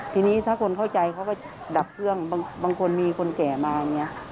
ทีนี้ถ้าคนเข้าใจเขาก็ดับเครื่องบางคนมีคนแก่มาอย่างนี้